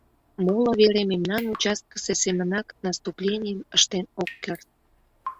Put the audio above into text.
Моло вере мемнан участкысе семынак наступленийым ыштен ок керт.